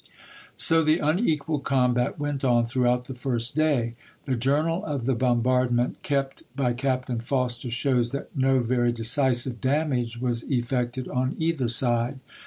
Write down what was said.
So the unequal combat went on throughout the first day. The journal of the bombardment kept by Captain Foster shows that no very decisive damage was effected on either side.